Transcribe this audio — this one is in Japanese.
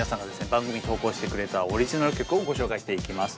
番組に投稿してくれたオリジナル曲をご紹介していきます。